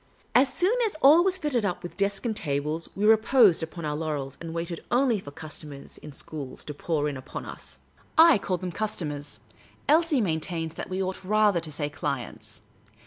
As .soon as all was fitted up with desk and tables we reposed upon our laurels, and waited only for customers in shoals to pour in 154 Miss Caylcy's Adventures upon us, /called them "customers" ; Elsie maintained that we ought rather to say " clients."